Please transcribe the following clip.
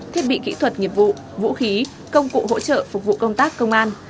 thiết bị kỹ thuật nghiệp vụ vũ khí công cụ hỗ trợ phục vụ công tác công an